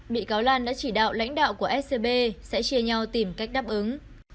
bị cáo lan đã chỉ đạo lãnh đạo của scb sẽ chia nhau tìm cách đáp ứng